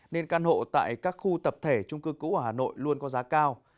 nên căn hộ tại các khu tập thể trung cư cũ ở hà nội luôn có giá cao